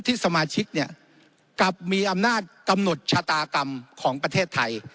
สมาชิกเนี่ยกลับมีอำนาจกำหนดชะตากรรมของประเทศไทย